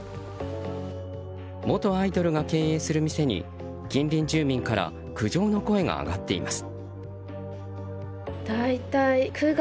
元アイドルが経営する店に近隣住民から苦情の声が上がっています。